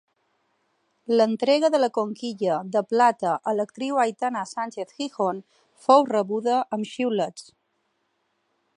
L'entrega de la Conquilla de Plata a l'actriu Aitana Sánchez-Gijón fou rebuda amb xiulets.